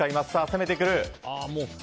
攻めてくる！